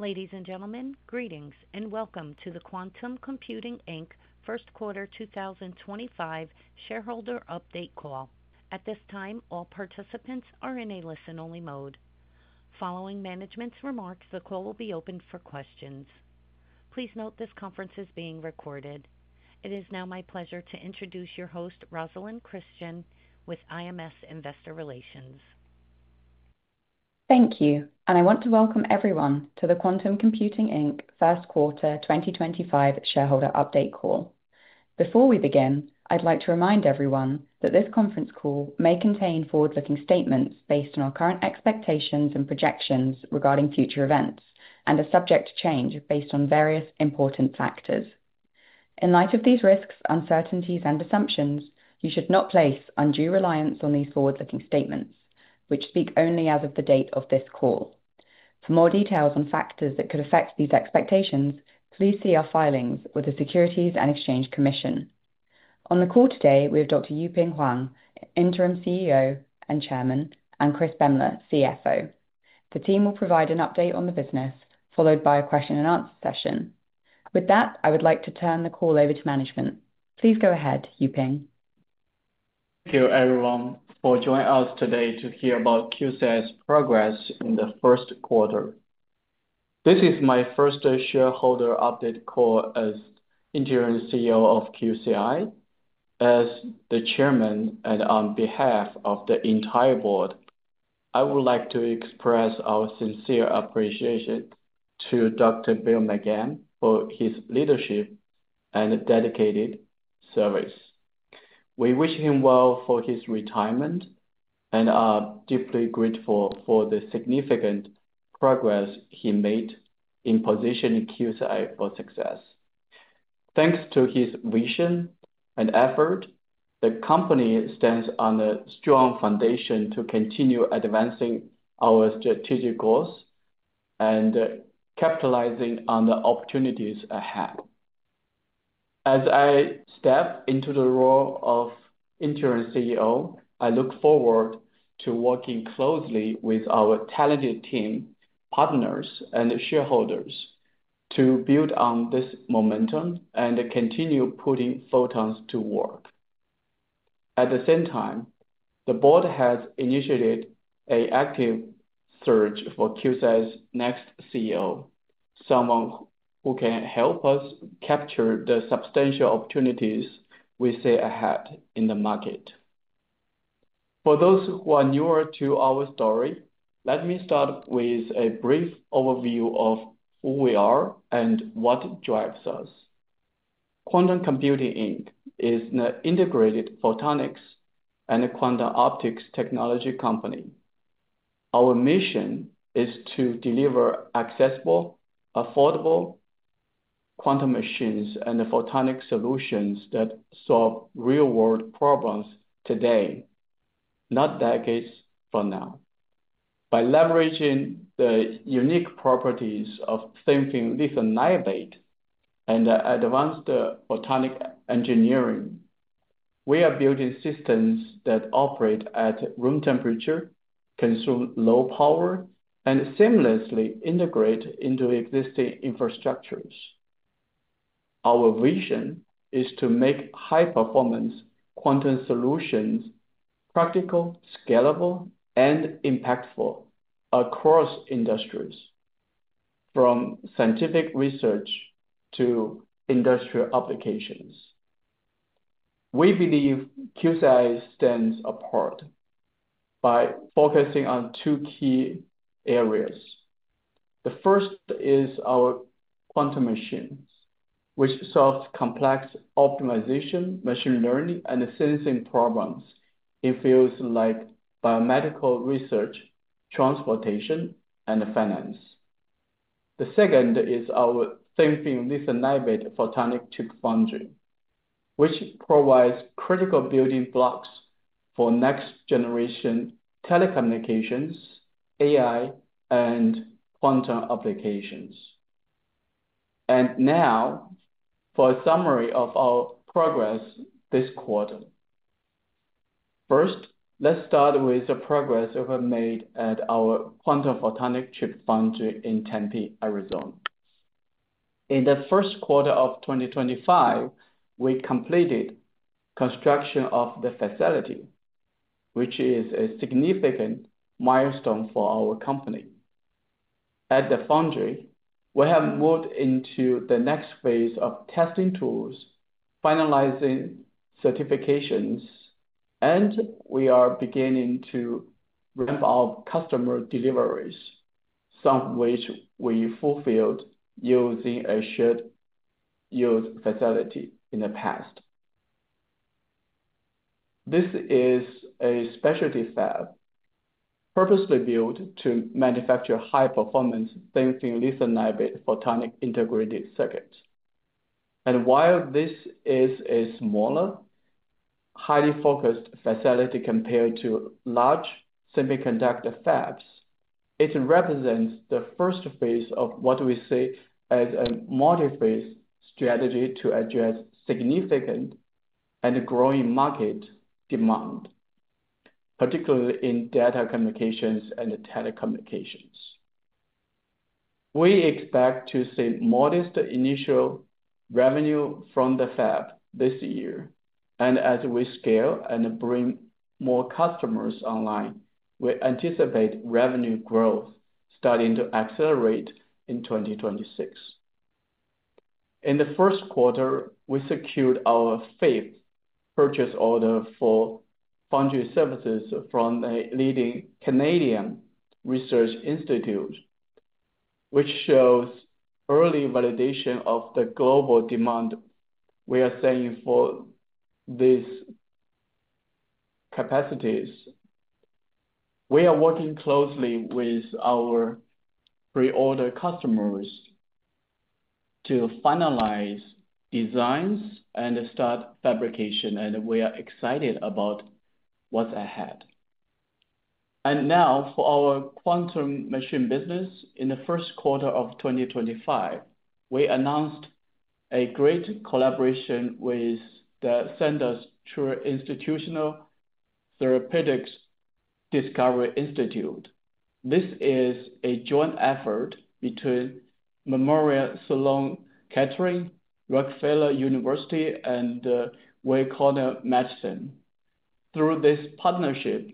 Ladies and gentlemen, greetings and welcome to the Quantum Computing Inc first quarter 2025 Shareholder Update Call. At this time, all participants are in a listen-only mode. Following management's remarks, the call will be open for questions. Please note this conference is being recorded. It is now my pleasure to introduce your host, Rosalyn Christian, with IMS Investor Relations. Thank you, and I want to welcome everyone to the Quantum Computing Inc first quarter 2025 Shareholder Update Call. Before we begin, I'd like to remind everyone that this conference call may contain forward-looking statements based on our current expectations and projections regarding future events and are subject to change based on various important factors. In light of these risks, uncertainties, and assumptions, you should not place undue reliance on these forward-looking statements, which speak only as of the date of this call. For more details on factors that could affect these expectations, please see our filings with the Securities and Exchange Commission. On the call today, we have Dr. Yuping Huang, Interim CEO and Chairman, and Chris Boehmler, CFO. The team will provide an update on the business, followed by a question-and-answer session. With that, I would like to turn the call over to management. Please go ahead, Yuping. Thank you, everyone, for joining us today to hear about QCi's progress in the first quarter. This is my first Shareholder Update Call as Interim CEO of QCi. As the Chairman and on behalf of the entire Board, I would like to express our sincere appreciation to Dr. Bill McGann for his leadership and dedicated service. We wish him well for his retirement and are deeply grateful for the significant progress he made in positioning QCi for success. Thanks to his vision and effort, the company stands on a strong foundation to continue advancing our strategic goals and capitalizing on the opportunities ahead. As I step into the role of Interim CEO, I look forward to working closely with our talented team, partners, and shareholders to build on this momentum and continue putting photons to work. At the same time, the Board has initiated an active search for QCi's next CEO, someone who can help us capture the substantial opportunities we see ahead in the market. For those who are newer to our story, let me start with a brief overview of who we are and what drives us. Quantum Computing Inc is an integrated photonics and quantum optics technology company. Our mission is to deliver accessible, affordable quantum machines and photonic solutions that solve real-world problems today, not decades from now. By leveraging the unique properties of thin-film lithium niobate and advanced photonic engineering, we are building systems that operate at room temperature, consume low power, and seamlessly integrate into existing infrastructures. Our vision is to make high-performance quantum solutions practical, scalable, and impactful across industries, from scientific research to industrial applications. We believe QCi stands apart by focusing on two key areas. The first is our quantum machines, which solve complex optimization, machine learning, and sensing problems in fields like biomedical research, transportation, and finance. The second is our thin film lithium niobate photonic chip foundry, which provides critical building blocks for next-generation telecommunications, AI, and quantum applications. For a summary of our progress this quarter, first, let's start with the progress we've made at our quantum photonic chip foundry in Tempe, Arizona. In the first quarter of 2025, we completed construction of the facility, which is a significant milestone for our company. At the foundry, we have moved into the next phase of testing tools, finalizing certifications, and we are beginning to ramp up customer deliveries, some of which we fulfilled using a shared-use facility in the past. This is a specialty Fab purposely built to manufacture high-performance thin-film lithium niobate photonic integrated circuits. While this is a smaller, highly focused facility compared to large semiconductor fabs, it represents the first phase of what we see as a multi-phase strategy to address significant and growing market demand, particularly in data communications and telecommunications. We expect to see modest initial revenue from the Fab this year, and as we scale and bring more customers online, we anticipate revenue growth starting to accelerate in 2026. In the first quarter, we secured our fifth purchase order for foundry services from a leading Canadian research institute, which shows early validation of the global demand we are seeing for these capacities. We are working closely with our pre-order customers to finalize designs and start fabrication, and we are excited about what's ahead. For our quantum machine business, in the first quarter of 2025, we announced a great collaboration with the Sanders Tri-Institutional Therapeutics Discovery Institute. This is a joint effort between Memorial Sloan Kettering, Rockefeller University, and Weill Cornell Medicine. Through this partnership,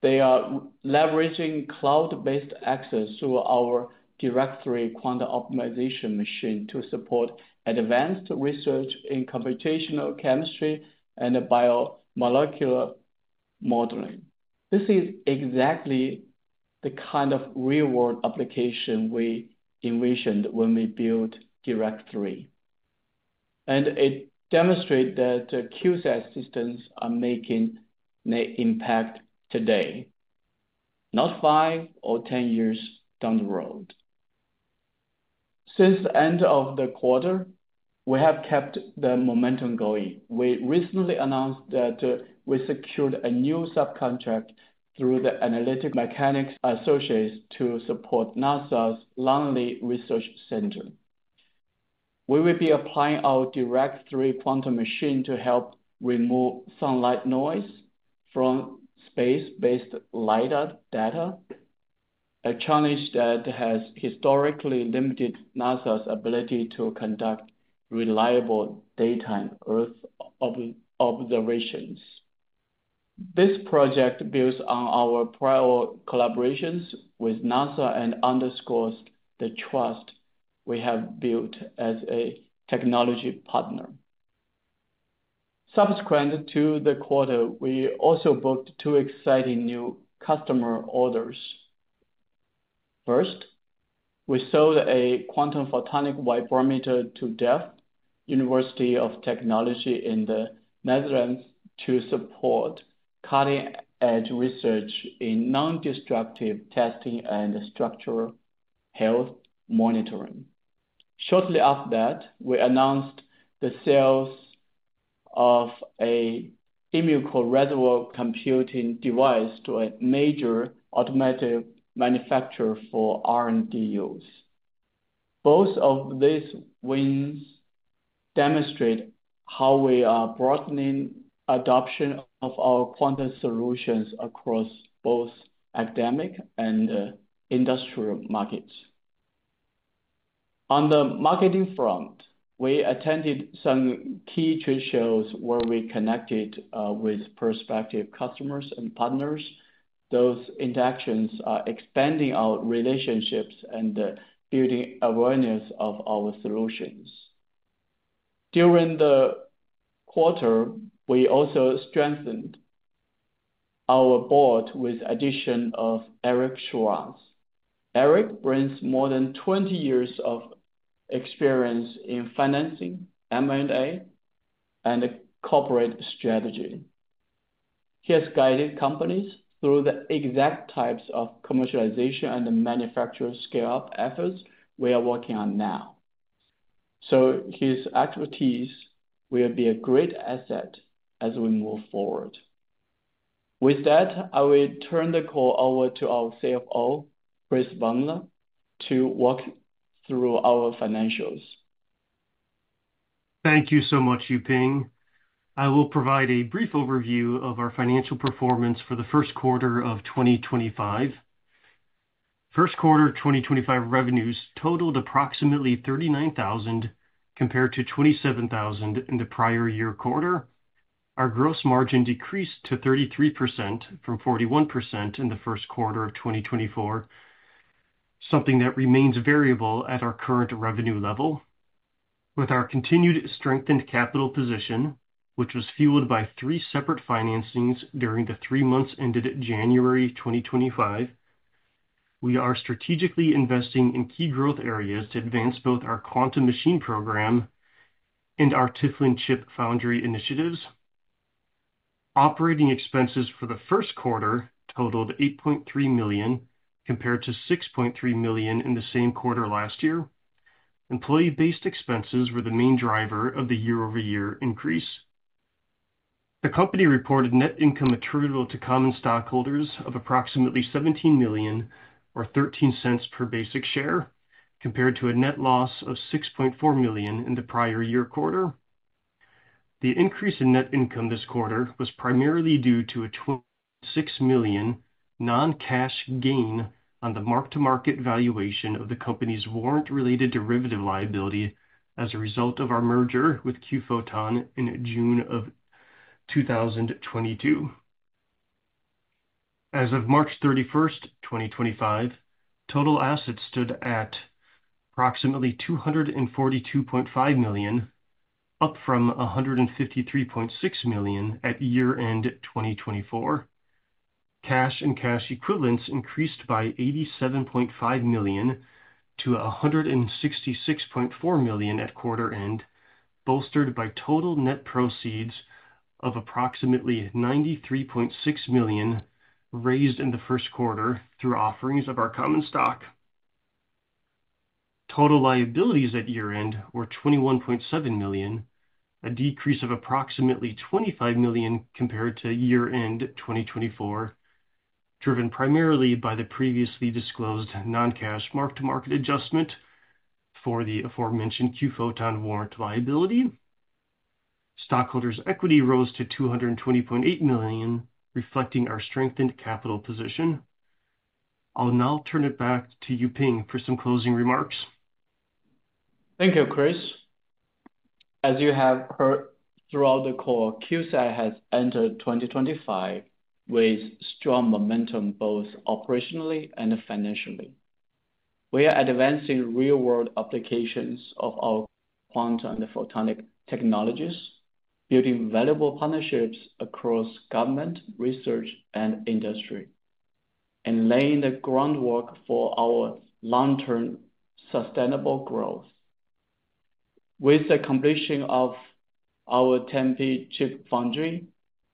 they are leveraging cloud-based access to our Dirac-3 Quantum Optimization Machine to support advanced research in computational chemistry and biomolecular modeling. This is exactly the kind of real-world application we envisioned when we built Dirac-3, and it demonstrates that QCi systems are making an impact today, not five or 10 years down the road. Since the end of the quarter, we have kept the momentum going. We recently announced that we secured a new subcontract through Analytical Mechanics Associates to support NASA's Langley Research Center. We will be applying our Dirac-3 Quantum Machine to help remove sunlight noise from space-based LiDAR data, a challenge that has historically limited NASA's ability to conduct reliable daytime Earth observations. This project builds on our prior collaborations with NASA and underscores the trust we have built as a technology partner. Subsequent to the quarter, we also booked two exciting new customer orders. First, we sold a Quantum Photonic Vibrometer to Delft University of Technology in the Netherlands to support cutting-edge research in non-destructive testing and structural health monitoring. Shortly after that, we announced the sale of a EmuCore reservoir computing device to a major automotive manufacturer for R&D use. Both of these wins demonstrate how we are broadening adoption of our quantum solutions across both academic and industrial markets. On the marketing front, we attended some key trade shows where we connected with prospective customers and partners. Those interactions are expanding our relationships and building awareness of our solutions. During the quarter, we also strengthened our Board with the addition of Eric Schwartz. Eric brings more than 20 years of experience in financing, M&A, and corporate strategy. He has guided companies through the exact types of commercialization and manufacturer scale-up efforts we are working on now. His expertise will be a great asset as we move forward. With that, I will turn the call over to our CFO, Chris Boehmler, to walk through our financials. Thank you so much, Yuping. I will provide a brief overview of our financial performance for the first quarter of 2025. First quarter 2025 revenues totaled approximately $39,000 compared to $27,000 in the prior year quarter. Our gross margin decreased to 33% from 41% in the first quarter of 2024, something that remains variable at our current revenue level. With our continued strengthened capital position, which was fueled by three separate financings during the three months ended in January 2025, we are strategically investing in key growth areas to advance both our quantum machine program and our TFLN chip foundry initiatives. Operating expenses for the first quarter totaled $8.3 million compared to $6.3 million in the same quarter last year. Employee-based expenses were the main driver of the year-over-year increase. The company reported net income attributable to common stockholders of approximately $17 million or $0.13 per basic share compared to a net loss of $6.4 million in the prior year quarter. The increase in net income this quarter was primarily due to a $26 million non-cash gain on the mark-to-market valuation of the company's warrant-related derivative liability as a result of our merger with QPhoton in June of 2022. As of March 31, 2025, total assets stood at approximately $242.5 million, up from $153.6 million at year-end 2024. Cash and cash equivalents increased by $87.5 million to $166.4 million at quarter-end, bolstered by total net proceeds of approximately $93.6 million raised in the first quarter through offerings of our common stock. Total liabilities at year-end were $21.7 million, a decrease of approximately $25 million compared to year-end 2024, driven primarily by the previously disclosed non-cash mark-to-market adjustment for the aforementioned QPhoton warrant liability. Stockholders' equity rose to $220.8 million, reflecting our strengthened capital position. I'll now turn it back to Yuping for some closing remarks. Thank you, Chris. As you have heard throughout the call, QCi has entered 2025 with strong momentum both operationally and financially. We are advancing real-world applications of our quantum and photonic technologies, building valuable partnerships across government, research, and industry, and laying the groundwork for our long-term sustainable growth. With the completion of our Tempe chip foundry,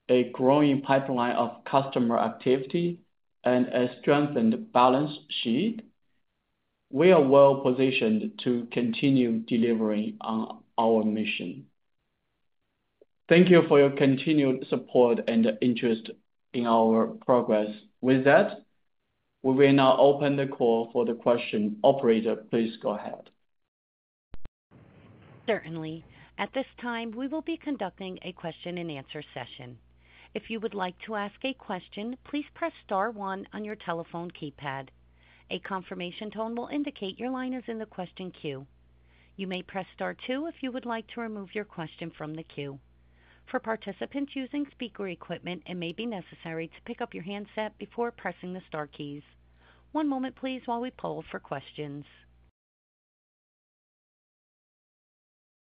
a growing pipeline of customer activity, and a strengthened balance sheet, we are well-positioned to continue delivering on our mission. Thank you for your continued support and interest in our progress. With that, we will now open the call for the question operator. Please go ahead. Certainly. At this time, we will be conducting a question-and-answer session. If you would like to ask a question, please press star one on your telephone keypad. A confirmation tone will indicate your line is in the question queue. You may press star two if you would like to remove your question from the queue. For participants using speaker equipment, it may be necessary to pick up your handset before pressing the star keys. One moment, please, while we poll for questions.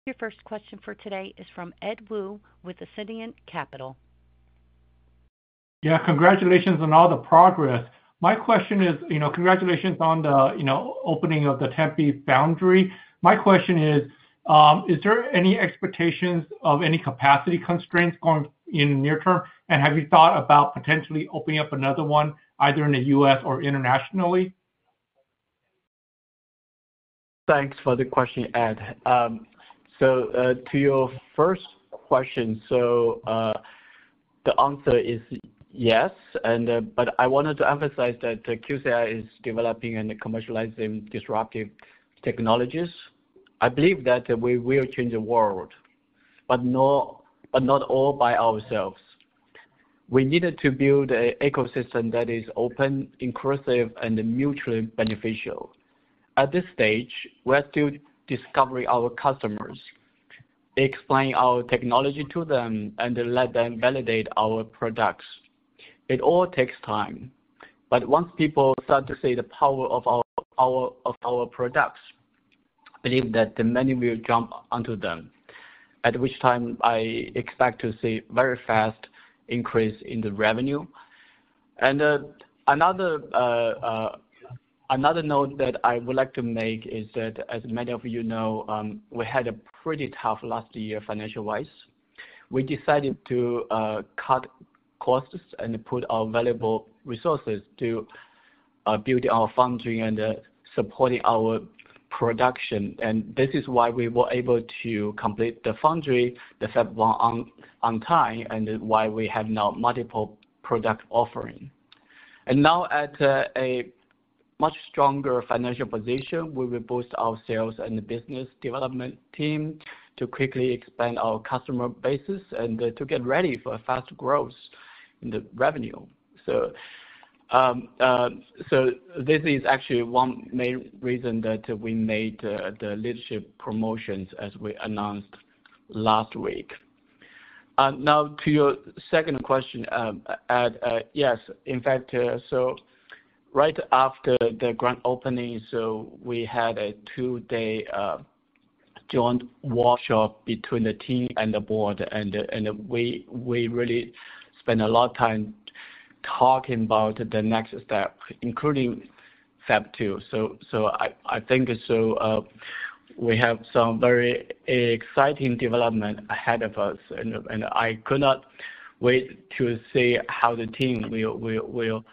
Your first question for today is from Ed Woo with Ascendiant Capital. Yeah, congratulations on all the progress. My question is, you know, congratulations on the, you know, opening of the Tempe foundry. My question is, is there any expectations of any capacity constraints going in the near-term, and have you thought about potentially opening up another one, either in the U.S. or internationally? Thanks for the question, Ed. To your first question, the answer is yes, but I wanted to emphasize that QCi is developing and commercializing disruptive technologies. I believe that we will change the world, but not all by ourselves. We needed to build an ecosystem that is open, inclusive, and mutually beneficial. At this stage, we're still discovering our customers, explaining our technology to them, and letting them validate our products. It all takes time, but once people start to see the power of our products, I believe that many will jump onto them, at which time I expect to see a very fast increase in the revenue. Another note that I would like to make is that, as many of you know, we had a pretty tough last year financially. We decided to cut costs and put our valuable resources to build our foundry and support our production. This is why we were able to complete the foundry, the Fab one on time, and why we have now multiple product offerings. Now, at a much stronger financial position, we will boost our sales and business development team to quickly expand our customer bases and to get ready for fast growth in the revenue. This is actually one main reason that we made the leadership promotions as we announced last week. Now, to your second question, Ed, yes. In fact, right after the grand opening, we had a two-day joint workshop between the team and the Board, and we really spent a lot of time talking about the next step, including Fab 2. I think we have some very exciting development ahead of us, and I could not wait to see how the team will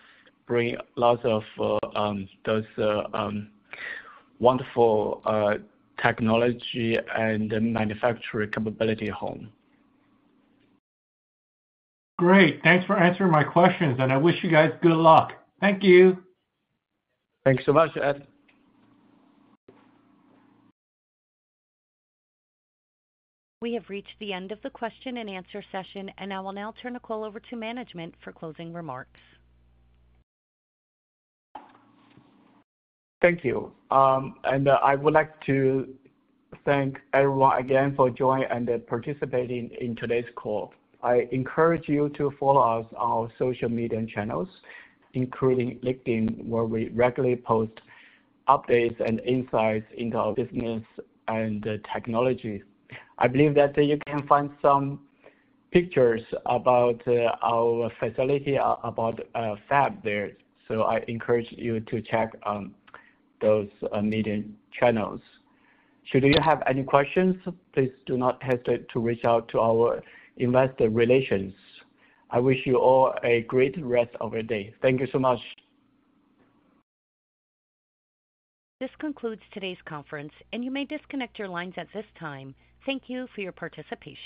bring lots of those wonderful technology and manufacturing capability home. Great. Thanks for answering my questions, and I wish you guys good luck. Thank you. Thanks so much, Ed. We have reached the end of the question-and-answer session, and I will now turn the call over to management for closing remarks. Thank you. I would like to thank everyone again for joining and participating in today's call. I encourage you to follow us on our social media channels, including LinkedIn, where we regularly post updates and insights into our business and technology. I believe that you can find some pictures about our facility, about Fab there. I encourage you to check those media channels. Should you have any questions, please do not hesitate to reach out to our Investor Relations. I wish you all a great rest of your day. Thank you so much. This concludes today's conference, and you may disconnect your lines at this time. Thank you for your participation.